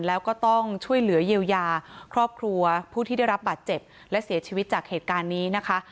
แล้วก็ต้องช่วยเหลือเยียวยาครอบครัวผู้ที่ได้รับบาดเจ็บและเสียชีวิตจากเหตุการณ์นี้นะคะ